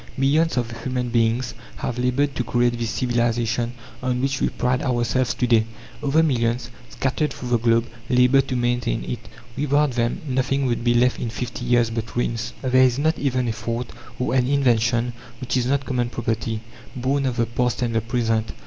Millions of human beings have laboured to create this civilization on which we pride ourselves to day. Other millions, scattered through the globe, labour to maintain it. Without them nothing would be left in fifty years but ruins. There is not even a thought, or an invention, which is not common property, born of the past and the present.